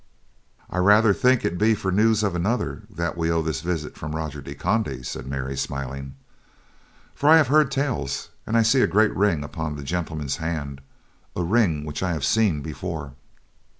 "I rather think it be for news of another that we owe this visit from Roger de Conde," said Mary, smiling. "For I have heard tales, and I see a great ring upon the gentleman's hand—a ring which I have seen before."